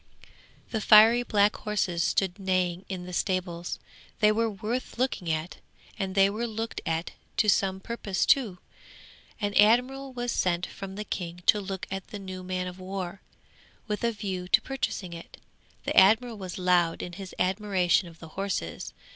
'The fiery black horses stood neighing in the stables; they were worth looking at, and they were looked at to some purpose too. An admiral was sent from the King to look at the new man of war, with a view to purchasing it. The admiral was loud in his admiration of the horses.